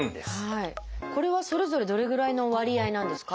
これはそれぞれどれぐらいの割合なんですか？